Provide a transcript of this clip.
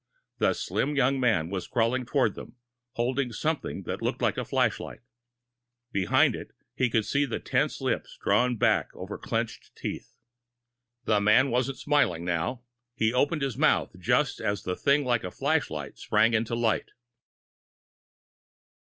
The slim young man was crawling toward them, holding something that looked like a flashlight. Behind it, he could see the tense lips drawn back over clenched teeth. The man wasn't smiling now. He opened his mouth, just as the thing like a flashlight sprang into light.